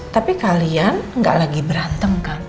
tapi kalian nggak lagi berantem kan